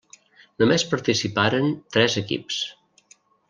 Només participaren tres equips.